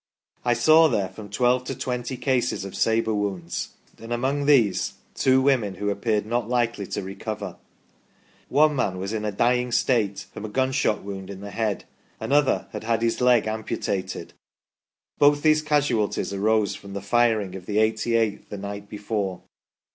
I saw there from twelve to twenty cases of sabre wounds, and among these two women who appeared not likely to recover. ... One man was in a dying state from a gunshot wound in the head ; another had had his leg amputated ; both these casualties arose from the firing of the 88th the night before.